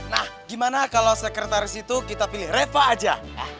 nah gimana kalau sekretaris itu kita pilih reva aja